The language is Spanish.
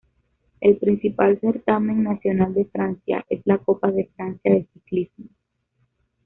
El principal certamen nacional de Francia es la Copa de Francia de Ciclismo.